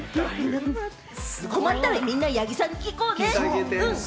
困ったらみんな八木さんのところに行こうね。